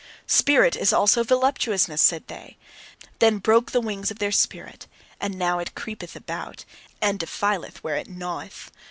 "Spirit is also voluptuousness," said they. Then broke the wings of their spirit; and now it creepeth about, and defileth where it gnaweth.